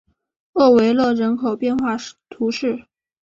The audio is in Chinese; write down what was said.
厄维勒人口变化图示